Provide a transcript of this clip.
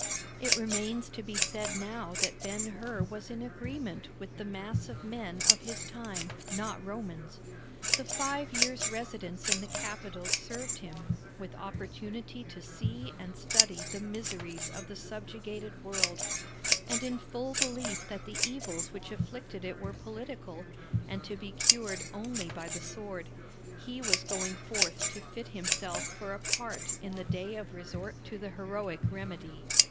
It remains to be said now that Ben Hur was in agreement with the mass of men of his time not Romans. The five years' residence in the capital served him with opportunity to see and study the miseries of the subjugated world; and in full belief that the evils which afflicted it were political, and to be cured only by the sword, he was going forth to fit himself for a part in the day of resort to the heroic remedy.